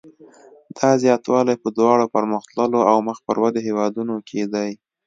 دا زیاتوالی په دواړو پرمختللو او مخ پر ودې هېوادونو کې دی.